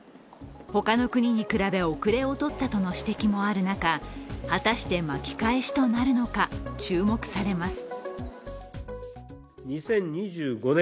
他の国に比べ遅れをとったとの指摘もある中果たして、巻き返しとなるのか注目されます。